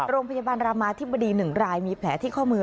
โรงพยาบาลรามาธิบดี๑รายมีแผลที่ข้อมือ